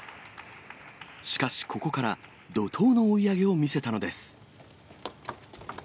しかし、ここから怒とうの追い上げを見せたのです。